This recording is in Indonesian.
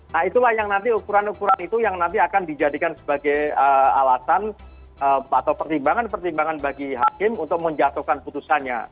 nah itulah yang nanti ukuran ukuran itu yang nanti akan dijadikan sebagai alasan atau pertimbangan pertimbangan bagi hakim untuk menjatuhkan putusannya